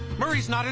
あれ？